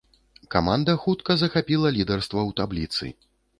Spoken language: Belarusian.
Каманда хутка захапіла лідарства ў табліцы.